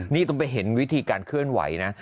นี่ต้องไปเห็นวิธีการเคลื่อนไหวนะ